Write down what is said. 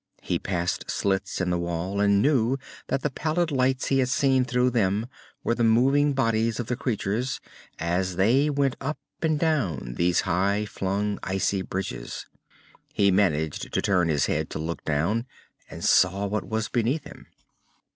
He passed slits in the wall, and knew that the pallid lights he had seen through them were the moving bodies of the creatures as they went up and down these high flung, icy bridges. He managed to turn his head to look down, and saw what was beneath him.